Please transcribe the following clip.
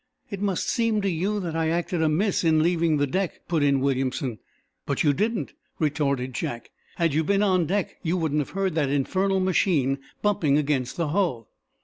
"It must seem to you that I acted amiss in leaving the deck," put in Williamson. "But you didn't," retorted Jack. "Had you been on deck you wouldn't have heard that infernal machine bumping against the hull."